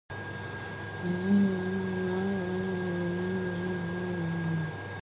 He launched the prize partly as a means to promote Lulu.